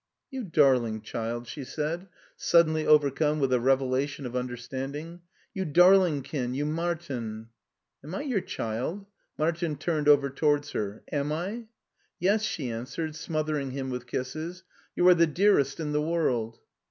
"You darling child," she said, suddenly overcome with a revelation of understanding, " you darlingkin, you Martin !"" Am I your child ?" Martin turned over towards her— "ami?" " Yes," she answered, smothering him with kisses, " you are the dearest in the world."